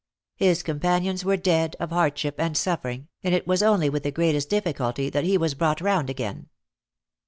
His companions were dead of hardship and suffering, and it was only with the greatest difficulty that he was brought round again.